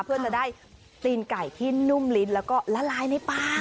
เพื่อจะได้ตีนไก่ที่นุ่มลิ้นแล้วก็ละลายในปาก